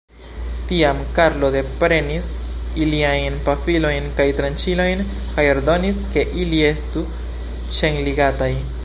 Tiam Karlo deprenis iliajn pafilojn kaj tranĉilojn, kaj ordonis, ke ili estu ĉenligataj.